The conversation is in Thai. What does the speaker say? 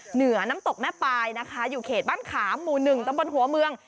เหนือน้ำตกแม่ปลายนะคะอยู่เขตบ้านขามหมู่๑ตำบลหัวเมือง